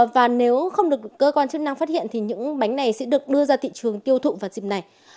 và nếu không được cơ quan chức năng phát hiện thì những bánh này sẽ được đưa ra thị trường tiêu thụ vào dịp này